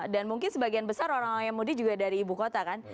dan mungkin sebagian besar orang orang yang muda juga dari ibu kota kan